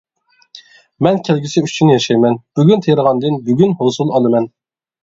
مەن كەلگۈسى ئۈچۈن ياشايمەن، بۈگۈن تېرىغاندىن بۈگۈن ھوسۇل ئالىمەن.